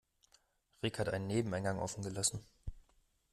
Rick hat einen Nebeneingang offen gelassen.